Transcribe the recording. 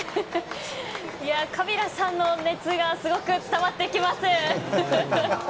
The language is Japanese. いや、カビラさんの熱がすごく伝わってきます。